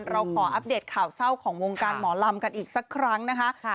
เราขออัปเดตข่าวเศร้าของวงการหมอลำกันอีกสักครั้งนะคะ